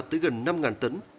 tới gần năm tấn